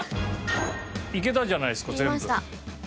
いけたじゃないですか全部。